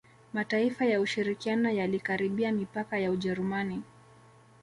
Mataifa ya ushirikiano yalikaribia mipaka ya Ujerumani